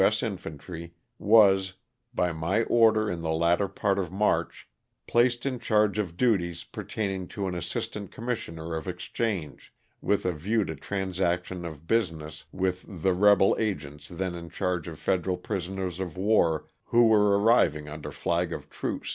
S. Infantry, was, by my order in the latter part of March, placed in charge of the duties per taining to an assistant commissioner of exchange, with a view to transaction of business with the rebel agents then in charge of federal prisoners of war who were arriving under flag of truce.